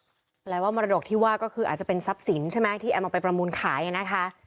แปลว่ามรดกที่ว่าก็คืออาจจะเป็นทรัพย์สินใช่ไหมที่แอมเอาไปประมูลขายนะคะ